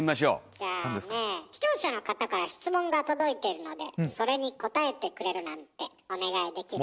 じゃあね視聴者の方から質問が届いてるのでそれに答えてくれるなんてお願いできる？